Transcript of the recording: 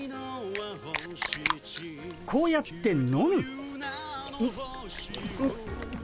こうやって飲む。